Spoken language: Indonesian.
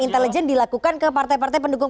intelijen dilakukan ke partai partai pendukung